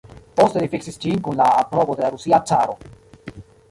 Poste li fiksis ĝin kun la aprobo de la Rusia Caro.